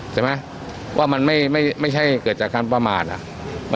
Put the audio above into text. ใช่ไหมว่ามันไม่ใช่เกิดจากการประมาทอ่ะ